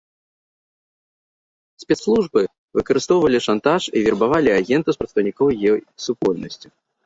Спецслужбы выкарыстоўвалі шантаж і вербавалі агентаў з прадстаўнікоў гей-супольнасці.